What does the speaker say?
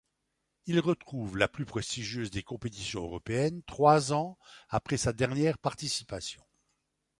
Il retrouve la plus prestigieuse des compétitions européennes trois ans après sa dernière participation.